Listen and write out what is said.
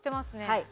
はい。